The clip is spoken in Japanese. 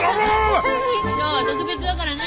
今日は特別だからね。